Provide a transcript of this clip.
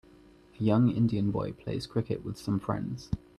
A young Indian boy plays cricket with some friends.